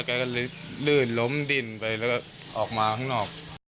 แกก็เลยลื่นล้มดินไปแล้วก็ออกมาข้างนอก